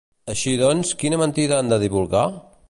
Així doncs, quina mentida han de divulgar?